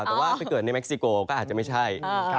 แต่ว่าถ้าเกิดในเค็กซิโกก็อาจจะไม่ใช่